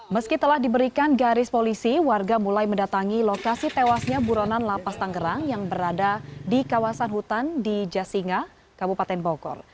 meski telah diberikan garis polisi warga mulai mendatangi lokasi tewasnya buronan lapas tanggerang yang berada di kawasan hutan di jasinga kabupaten bogor